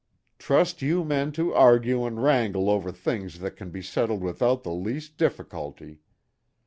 "Trust you men to argue and wrangle over things that can be settled without the least difficulty.